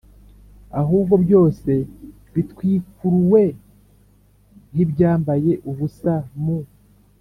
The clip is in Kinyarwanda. ahubwo byose bitwikuruwe nk ibyambaye ubusa mu